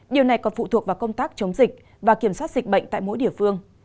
điều này còn phụ thuộc vào công tác chống dịch và kiểm soát dịch bệnh tại mỗi địa phương